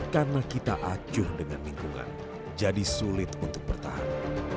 karena kita acuh dengan lingkungan jadi sulit untuk bertahan